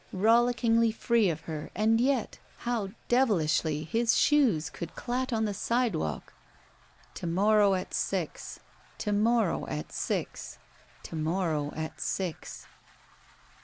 Rolliddngly iree ctf her and yet how devilishly his shoes could dat on the sidewalk. To morrow at six. To monow at six. To morrow at six.